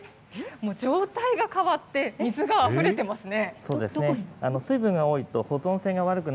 もう状態が変わって、水があふれてますね。